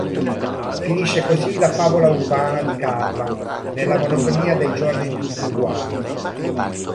Finisce così la "favola urbana" di Carla nella monotonia dei giorni tutti uguali.